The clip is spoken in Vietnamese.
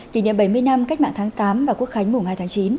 kỷ niệm bảy mươi năm cách mạng tháng tám và quốc khánh mùng hai tháng chín